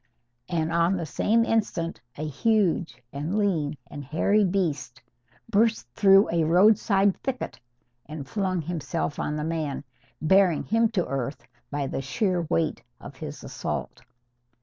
And on the same instant a huge and lean and hairy beast burst through a roadside thicket and flung himself on the man, bearing him to earth by the sheer weight of his assault.